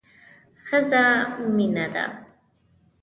ښځه مينه ده